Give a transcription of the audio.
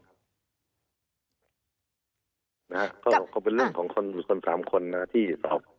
นะครับเขาเป็นเรื่องของคนอยู่ส่วน๓คนที่สอบ